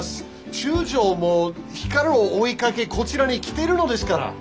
中将も光を追いかけこちらに来てるのですから。